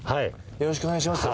よろしくお願いします